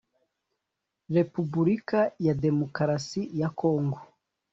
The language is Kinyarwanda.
repubulika ya demokarasi ya kongo,